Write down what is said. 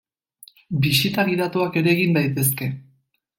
Bisita gidatuak ere egin daitezke.